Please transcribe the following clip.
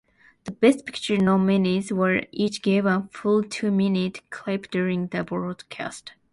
The Best Picture nominees were each given a full two-minute clip during the broadcast.